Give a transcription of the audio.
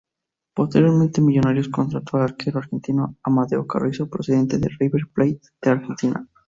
Posteriormente Millonarios contrató al arquero argentino Amadeo Carrizo procedente del River Plate de Argentina.